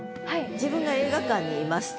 自分が映画館にいますと。